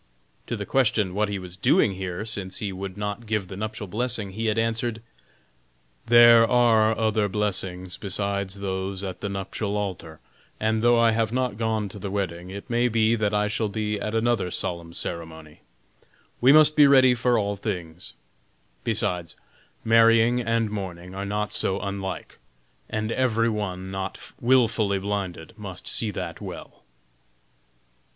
To the question what he was doing here, since he would not give the nuptial blessing, he had answered: "There are other blessings besides those at the nuptial altar, and though I have not gone to the wedding, it may be that I shall be at another solemn ceremony. We must be ready for all things. Besides, marrying and mourning are not so unlike, and every one not wilfully blinded must see that well."